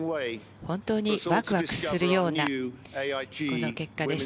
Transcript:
本当にワクワクするような結果です。